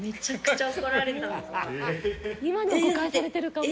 今でも誤解されてるかも。